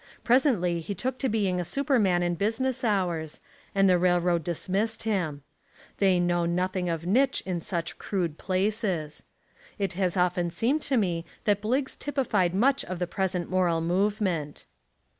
Presently he took to being a Super man in business hours, and the railroad dis missed him. They know nothing of Nitch in such crude places. It has often seemed to me that Bliggs typified much of the present moral movement.